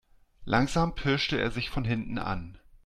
Langsam pirschte er sich von hinten an.